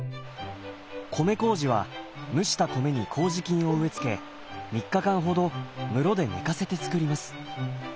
米こうじは蒸した米に麹菌を植え付け３日間ほど室で寝かせて造ります。